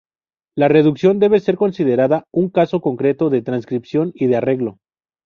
La reducción debe ser considerada un caso concreto de transcripción y de arreglo.